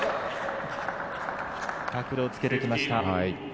角度をつけてきました。